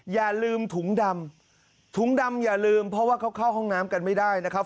อย่าลืมถุงดำถุงดำอย่าลืมเพราะว่าเขาเข้าห้องน้ำกันไม่ได้นะครับ